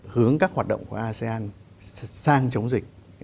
hướng các hoạt động của asean sang chống dịch